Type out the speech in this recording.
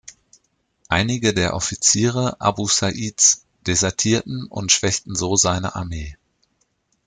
Einige der Offiziere Abu Sa’ids desertierten und schwächten so seine Armee.